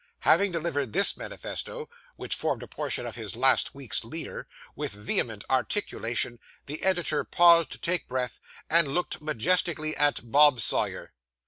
Having delivered this manifesto (which formed a portion of his last week's leader) with vehement articulation, the editor paused to take breath, and looked majestically at Bob Sawyer.